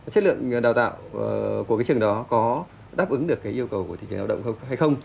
chất lượng đào tạo của cái trường đó có đáp ứng được cái yêu cầu của thị trường lao động không hay không